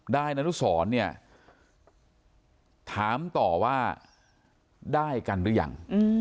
นายนุสรเนี่ยถามต่อว่าได้กันหรือยัง